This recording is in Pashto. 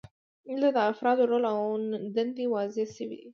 دلته د افرادو رول او دندې واضحې شوې وي.